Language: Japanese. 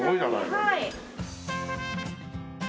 はい。